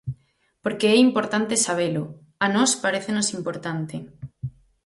Porque é importante sabelo; a nós parécenos importante.